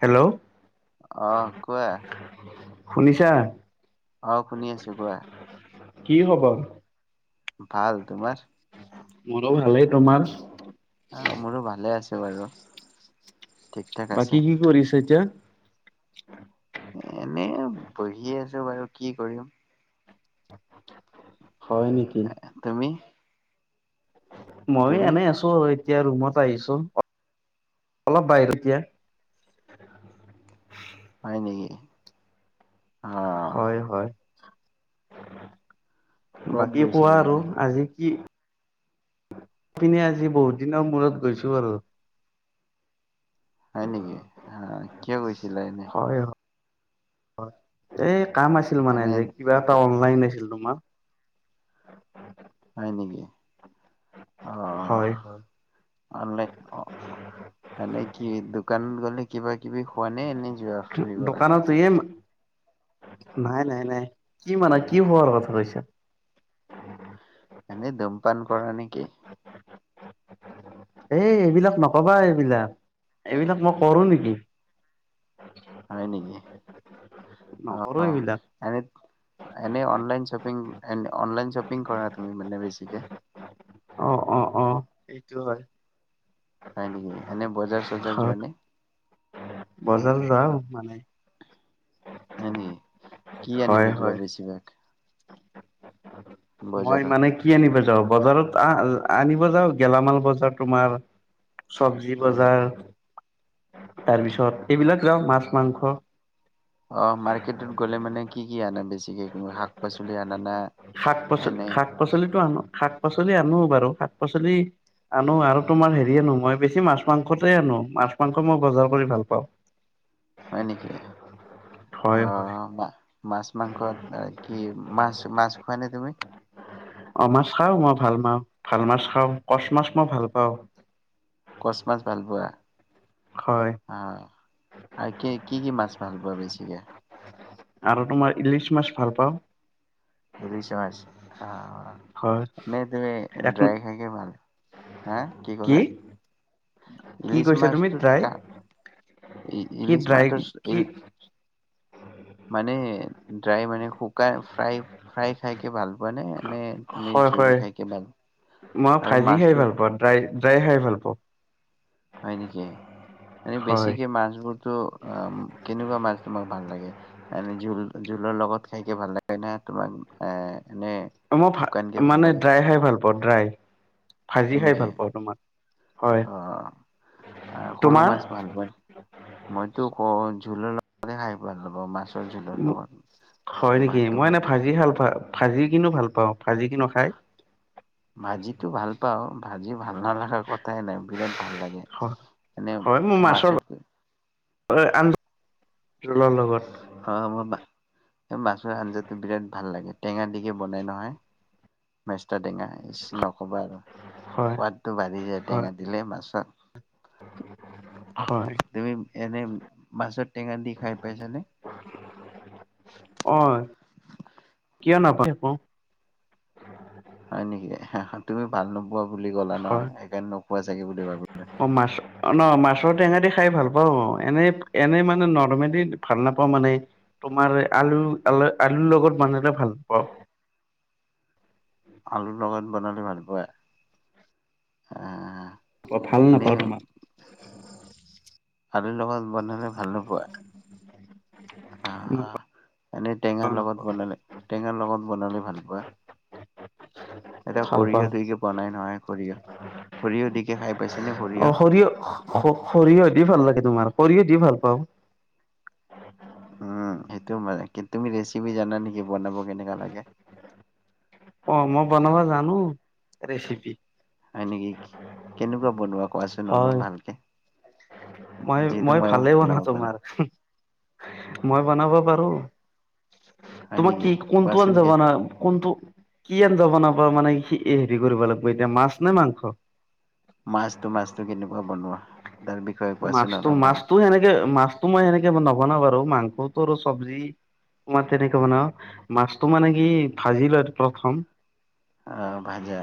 Hello. অ', কোৱা। শুনিছানে নাই? আহ শুনি আছো কোৱা কি খবৰ? ভাল তোমাৰ? মোৰো ভালেই তোমাৰ? অ মোৰো ভালে আছে বাৰু। ঠিক ঠাক আছে বাকী কি কৰিছা এতিয়া? এ এনে বহি আছো বাৰু কি কৰিম। হয় নেকি। তুমি মই তুমি এনে আছো। এতিয়া ৰুমত আহিছো অলপ বাহিৰত হয় নেকি! অ। হয় হয় ক'ত বাকী কোৱা গৈছিলে আৰু এনে আজি কি পিনে আজি বহুত দিনৰ মূৰত গৈছো আৰু হয় নেকি আহ কিয় গৈছিলা এনে? হয় হয় এই কাম আছিল মানে এনে যে কিবা এটা অনলাইন আছিলো ত [unintelligible] হয় নেকি অ হয় হয় অনলাইন অ মানে কি দোকানত গ'লে কিবা কিবি খোৱা নে এনে যোৱা ফুৰিব কাৰণে দোকানত এম নাই নাই নাই কি মানে কি হোৱাৰ কথা কৈছা? এনেই ধুমপান কৰা নেকি? এই এইবিলাক নকবা এইবিলাক এইবিলাক মই কৰো নেকি! হয় নিকি। অ নকৰো এইবিলাক এনে এনে অনলাইন শপিং এন অনলাইন শপিং কৰা তুমি মানে বেছিকে অ অ অ সেইটো হয়। হয় নিকি এনে বজাৰ চজাৰ হয়, যোৱা নে? বজাৰ যাও মানে হয় নি কি আনিব হয়, যোৱা হয়। বেছিভাগ? মই বজাৰত মানে কি আনিব যাওঁ? বজাৰত আ আনিব যাওঁ গেলামাল বজাৰ তোমাৰ। চব্জি উম বজাৰ উম। তাৰ পিছত এইবিলাক যাওঁ মাছ মাংস! অঁ', অ মাৰ্কেটত গ'লে মানে! কি কি আনা বেছিকে তুমি, পাচলি আনা না? শাক -পাচলি এনে শাক পাচলিতো আনো। শাক পাচলি আনো বাৰু, শাক পাচলি আনো আৰু তোমাৰ হেৰি আনো মই বেছি মাছ মাংসতো আনো মাছ মাংস মই বজাৰ কৰি ভাল পাওঁ। হয় নেকি? হয়, হয়, অ' মা মাছ মাংসত কি মাছ! মাছ খোৱানে তুমি? অ' মাছ খাও মই ভাল পাওঁ ভাল মাছ খাওঁ কচ মাছ মই ভাল পাওঁ। কচ মাছ ভাল পোৱা হয়, অ' আৰু কি কি কি মাছ! ভাল পোৱা বেছিকে। আৰু তোমাৰ ইলিছ মাছ ভাল পাও। ইলিছ মাছ হয়। খাম। নে তুমি এক ড্ৰাই খাইকে ভাল হা কি ক'লা? কি ইলিছ কৈছা তুমি মাছটোত ড্ৰাই কাঁ কি ইলিছ ড্ৰাই কি মাছটোত মানে? ড্ৰাই মানে শুকা ফ্ৰাই! ফ্ৰাই খাইকে ভাল পোৱা নে নে তুমি হয় জোল হয় খাইকে ভাল? আৰু মাছটো? ফ্ৰাই খাই ভাল পাওঁ! হয় নেকি? এনে হয় বেছিকে মাছ বোৰতো অ' কেনেকুৱা মাছ তোমাক! ভাল লাগে আমি জোল জোলৰ লগত খাইকে ভাল লাগে ন তোমাক এ এনে অ' মই ফ্ৰা শুকানকে ভাল মানে লাগে ড্ৰাই খাই ভাল পাওঁ। অ' ড্ৰাই। ভাজি হয় খাই নেকি? ভাল পাওঁ তোমাৰ হয় অহ' অহ' সৰু তোমাৰ মাছ ভাল পোৱা মইতো কওঁ। জোলৰ লগতে খাই ভাল [unintelligible] জোলৰ লগত হয় নেকি। ভাতটো মই এনেই খাইকে ভাজি ভালপাওঁ। ভাজি কিনো ভাল পাওঁ। ভাজি কিনো খাই ভাজিতো ভাল পাওঁ। আজিও ভাল নালাগা কথাই নাই, বিৰাট ভাল লাগে। হয় এনে মোৰ মাছৰ মাছত হয়, আঞ্জা, জোলৰ লগত। খা খবৰ না এই মাছৰ আঞ্জাটো বিৰাট ভাল লাগে। টেঙা দিকে বনাই নহয়। বেছ টেঙা ইচ নকবা, আৰু হয় সোৱাদটো বাঢ়ি যায় হয় টেঙা দিলে মাছত। হয়। তুমি এনে মাছত টেঙা দি খাই পাইছানে? অ'। কিয় নাপায় কও। হয় নেকি, তুমি ভাল ন? পোৱা বুলি গলা হয় নহয়, সেইকাৰণে নোকোৱা চাগে বুলি ভাবিলো। মাছ অ' ন মাছৰ টেঙা দি খাই ভাল পাও, অ' এনে এনে মানে নৰৰ্মেলি ভাল নাপাওঁ, মানে তোমাৰ আলু আল আলুৰ লগত বনালে ভাল পাওঁ। আলুৰ লগত বনালে, ভাল পোৱা? উম। আ ভাল নাপাওঁ তোমাক। আলো লগত বনালে ভাল নোপোৱা? অ, এনে টেঙাৰ নাপাওঁ নাপাওঁ লগত বনালে, টেঙাৰ লগত বনালে ভাল পোৱা? এতিয়া ভাল পাওঁ সৰিয়হ দুইকে বনাই নহয়, সৰিয়হ, সৰিয়হ দিকে খাই পাইছেনে সৰিয়হ? সৰিয়হ দি ভাল লাগে তোমাৰ সৰিয়হ দি ভাল পাওঁ। উম সেইটোও, মানে কিন্তু তুমি ৰেচিপি জানা নেকি বনাব কেনেকুৱা লাগে? অ' মই বনাব জানো, ৰেচিপি। হয় নেকি, কেনেকুৱা বনোৱা কোৱাচোন হয় অলপ ভালকে। মই, যিহেতু মই মইয়ে ভালেই বনাও বনাব ৰবা। পাৰো মই বনাব পাৰো। হয় তোমাক নেকি কি, কোনটো আন কোৱাচোন কি যাবানা কোনটো কি আঞ্জা বনাবা মানে কি হেৰি কৰিব লাগিব এতিয়া মাছ নে মাংস? মাছতটো মাছটো কেনেকুৱা বনোৱা? তাৰ বিষয়ে কোৱাচোন মাছতো, অলপ ভাল মাছতো সেনেকে মাছতো মই সেনেকে ব নবনাও বাৰু। মাংসটো আৰু চবজি, তোমাৰ তেনেকে বনাও মাছতো মানে কি ভাজি লয় প্ৰথম। আহ ভাজা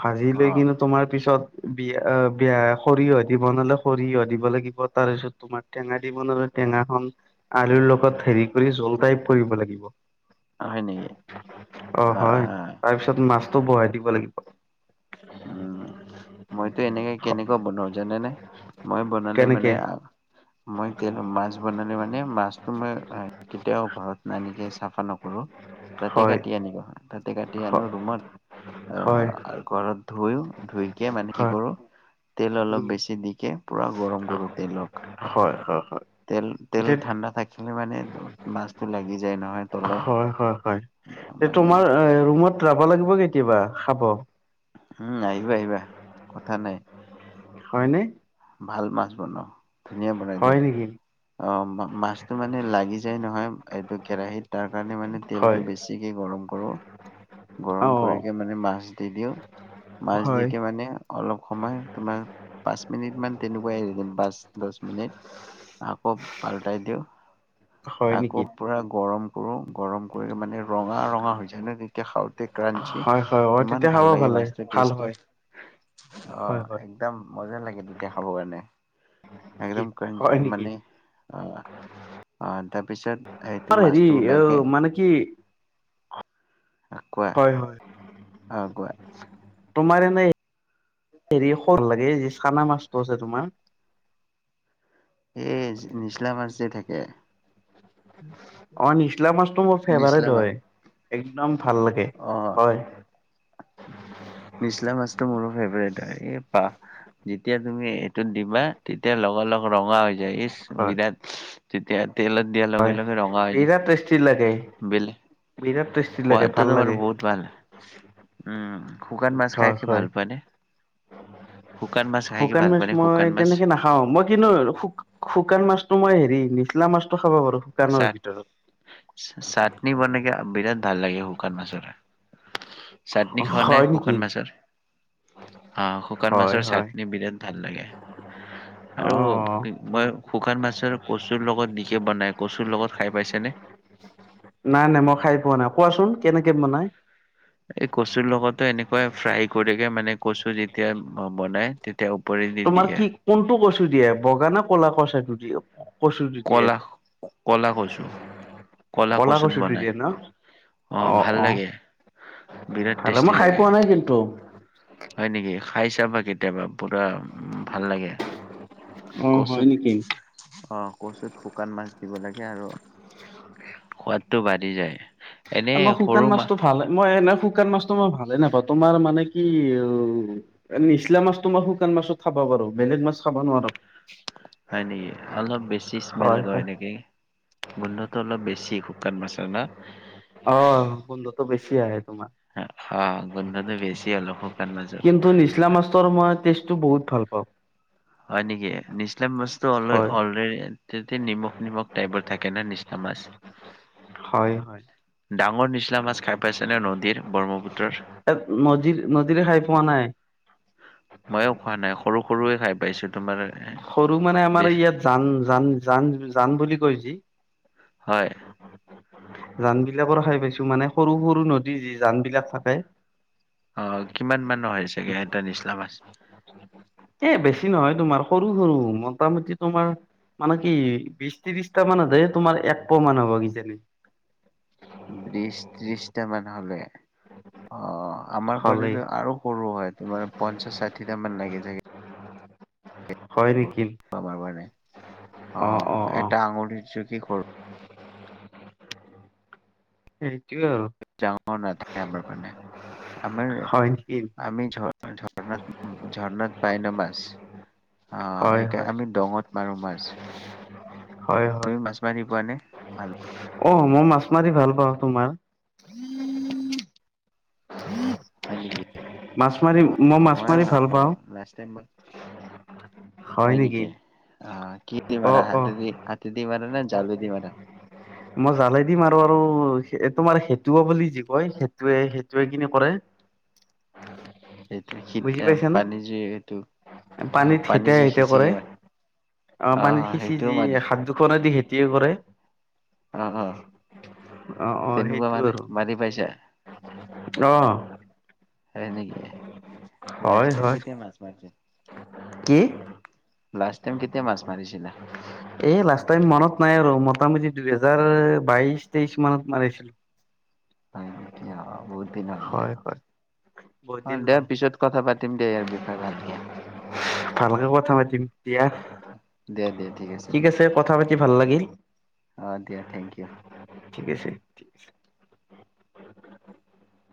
ভাজি অ লৈ কিন্তু তোমাৰ পিছত বিয়া-বিয়া সৰিয়হ দি বনালে সৰিয়হ দিব লাগিব। তাৰ পিছত তোমাৰ টেঙা দি বনালে, টেঙাখন আলুৰ লগত হেৰি কৰি জুল টাইপ কৰিব লাগিব। হয় নেকি অ', আহ হয়। আহ তাৰপিছত মাছ টো বহায় দিব লাগিব। উম, মইতো এনেকে কেনেকুৱা বনাও যেনে যেনে মই বনালে কেনেকে মানে আ। মই তেল মাছ বনালে মানে মাছটো মই কেতিয়াও ঘৰত নানিকে চাফা নকৰো তাতে হয় কাটি আনিব। কে হয় আনো ৰুমত হয় অহ আৰু ঘৰত। ধুই। ধুইকে মানে কি হয় কৰো। তেল অলপ বেছি দিকে। পুৰা গৰম কৰো তেলক হয়, হয়। তেল, তেল হয় ঠাণ্ডা থাকিলে মানে মাছটো লাগি যায় নহয় তলত হয় হয় হয় তে মানে। তোমাৰ ৰুমত যাব লাগিব কেতিয়াবা খাব। উম আহিবা, আহিবা কথা নাই। হয়নে? ভাল মাছ বনাওঁ। ধুনীয়া বনাই হয় দিওঁ নেকি অহ মা মাছটো মানে লাগি যায় নহয় এইটো কেৰাহিত তাৰ কাৰণে মানে তেলটো হয় বেছিকে গৰম কৰো অ গৰম কৰিকে মানে মাছ দি দিওঁ মাছ হয় দিকে মানে অলপ সময় তোমাৰ পাছ। মান তেনেকুৱাইৱে এৰি দিম পাছ, দশ মিনিট আকৌ পাল্টাই দিওঁ। হয় আকৌ নেকি পুৰা। গৰম কৰোঁ। গৰম কৰি মানে ৰঙা, ৰঙা হৈ যায় ন তেতিয়া খাওঁতে ক্ৰাঞ্চি, হয় হয় অ ইমান তেতিয়া ভাল খাব লাগে ভালে মাছটো ভাল হয় টেষ্টতো অ হয় হয় একদম মজা লাগে তেতিয়া খাব কাৰণে। কি একদম ক্ৰাঞ্চ হয় নেকি মানে অ। অ তাৰপিছত সেইটো তোমাৰ হেৰি মাছটো অ ওলাইগে। মানে কি হয়, হয়। অ কোৱা তোমাৰ এনে হেৰি স লাগে যে চানা মাছটো আছে তোমাৰ। এই নিচলা মাছ যে থাক। কে। অ, নিচলা মাছটো মোৰ নিচলা ফেভাৰেট মাছ হয়। একদম ভাল লাগে, অ হয়। নিচলা মাছটো মোৰো ফেভৰেট হয়, এই বা যেতিয়া তুমি এইটোত দিবা তেতিয়া লগৰ-লগ ৰঙা যায়, এই‌ছ‌ হয় বিৰাত তেতিয়া তেলত দিয়া লগে-লগে ৰঙা হৈ যায় বিৰাট টেষ্টি লাগে বেলেগ বিৰাট টেষ্টি লাগে সোৱাদটো ভাল তোমাৰ লাগে বহুত ভাল। উম, শুকান মাছ হয় খাই হয় ভাল পোৱা নে? শুকান মাছ খাই কি শুকান ভাল মাছ পোৱা নে মই শুকান মাছ তেনেকে নাখাও। মই কিন্তু শুক-শুকান মাছতটো মই হেৰি লা মাছটো খাব পাৰো শুকানৰ ভিতৰত চাট-চাটনি বনকে বিৰাট ভাল লাগে শুকান মাচৰে। চাটনি খোৱা নাই হয় নেকি শুকান মাছৰ? অ', শুকান হয় মাছৰ হয় চাটনি বিৰাট ভাল লাগে, অ আৰু মই শুকান মাছৰ কচুৰ লগত নিকে বনাই কচুৰ লগত খাই পাইছেনে? নাই নাই, মই খাই পোৱা নাই। কোৱাচোন কে কেনেকে বনাই? এই কচুৰ লগতো এনেকুৱাই ফ্ৰাই কৰিলে মানে কচু যেতিয়া বনাই তে তোমাৰ কি কোনটো কচ দিয়ে। বগা না ক'লা কচাটো দিয়ে? কচুটো দিয়ে, কলা কলা কচু কলা কচুত কচুটো বনাই দিয়ে ন? অ', ভাল অ, লাগে বিৰাট ভাল টেষ্টি মই খাই লাগে পোৱা নাই কিন্তু। হয় নেকি খাই চা বা কে কেতিয়াবা পুৰা উ ভাল লাগে অ হয় কচুত নেকি অ, কচুত শুকান মাছ দিব লাগে আৰু সোৱাদটো বাঢ়ি যায়। এনে মই শুকান সৰু মাছ মাছতটো ভাল, মই এনে শুকান মাছ তোমাৰ ভালে নাপাওঁ তোমাৰ মানে কি নিচলা মাছোমাৰ শুকান মাছত খাবা পাৰু বেলেগ মাছ খাব নোৱাৰো। হয় নেকি অলপ বেছি স্মেল হয় কৰে হয় নেকি? গোন্ধটো অলপ বেছি কণ মছ ন চিৰ হা গডাটো বেছি অলপ শু কিন্তু নিচলাম মষ্টৰ মই বহুত ভাল পাওঁ। হয় নেকি? নিছলাম মছো হয় অলৰে তেতে নিমখ-নিমখ টাইপৰ থাকে ন নিচনা মাছ। হয়' হয়' ডাঙৰ নিচলা মাছ খাই পাইছেনে নদীৰ ব্ৰহ্মপুত্ৰৰ এ নদীৰ নদীৰে খাই পোৱা নাই। ময়ো খোৱা নাই সৰু সৰুৱে খাই পাইছো। তোমাৰ সৰু মানে আমাৰ বেছ ইয়াত জান জান জান জান বুলি কৈ জি। হয়। জান বিলাকৰ খাই পাইছো মানে সৰু সৰু নদী যি জান বিলাক থাকে। অ' কিমান মান হয় চাগে এটা নিচলা মাছ। এ বেছি নহয় তোমাৰ সৰু সৰু মোটামুটি তোমাৰ মানে কি বিশ ত্ৰিশটা মান তোমাৰ একপোৱা মান হ'ব কিজানি? বিশ ত্ৰিশটা মান হ'লে অ' আমাৰ হ'লেই ফালেটো আৰু সৰু হয়। তোমাৰ পঞ্চশ ষাঠিটামান লাগে চাগে? হয় নিক আমাৰ মানে অ এটা আঙুলিৰ [unintelligible] হেৰি ডাঙৰ নাথাকে আমাৰ মানে আমাৰ হয় নেকি আমি ঝণাত ঝৰ্ণাত পাই ন মাছ, অঁ হয় সেই হয় আমি দঙত মাৰো মাছ। হয় হয় তুমি মাছ মাৰি পোৱানে? ভাল অ মই মাছ মাৰি ভাল পাওঁ তোমাৰ। হয় নেকি? মাছ মাৰি অ মই মাছ মইয়ো মাৰি ভাল পাওঁ। লাষ্ট টাইম মই হয় নেকি? অ কিহে দি অ মাৰা? অ হাতে দি হাতে দি মাৰা নে জালে দি মাৰা? মই জালে দি মাৰো আৰু তোমাৰ সেটোও বুলি যি কয় সেইটোৱে সেইটোৱে কিনি কৰে। সেইটো হিত বুজি এ পাইছানে পানী যি এইটো আহ পানীত পানী হেতিয়া যি হেতিয়া সিচি কৰে কে মাৰ? আহ অ সেইটোও মাৰিছোঁ। কি কৰে অ অ অ অ তেনেকুৱা সেইটো মানে আৰু মাৰি পাইছা অ হয় নেকি লাষ্ট হয় টাইম হয় কেতিয়া মাছ মাৰিছে লাষ্ট টাইম কেতিয়া মাছ মাৰিছিলা এ লাষ্ট টাইম মনত নাই আৰু মোৰ পামেদি দুহেজাৰ বাইশ তেইশ মানত মাৰিছিলো হয় নেকি অ বহুত দিন হ'ল দিয়া হয় হয় বহুত অ দিন দিয়া হ'ল পিছত কথা পাতিম দে ইয়াৰ বিষয়ে ভালকে ভালকে কথা পাতিম দিয়া দিয়া দিয়া ঠিক দিয়া আছে কথা পাতি ভাল লাগিল অ দিয়া থেংক ইউ ঠিক আছে। [inaudible]